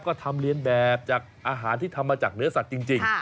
ก็ทำเรียนแบบจากอาหารที่ทำมาจากเนื้อสัตว์จริง